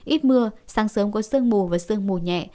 ít mưa sáng sớm có sương mù và sương mù nhẹ